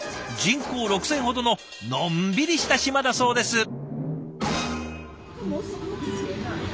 人口６，０００ほどののんびりした島だそうです。